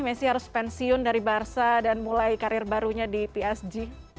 messi harus pensiun dari barca dan mulai karir barunya di psg